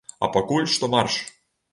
А пакуль што марш!